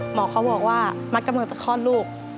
หมอเขาบอกว่ามัดกำลังจะคลอดลูก